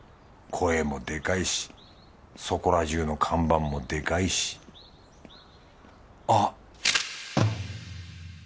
声もでかいしそこらじゅうの看板もでかいしあっ。